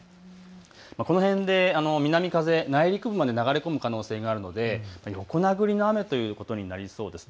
この辺で南風、内陸部まで流れ込む可能性があるので横殴りの雨ということになりそうです。